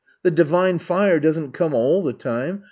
The Divine Fire doesn't come all the time.